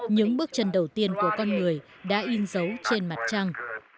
những bước chân đầu tiên của con người đã in dấu trên mặt trăng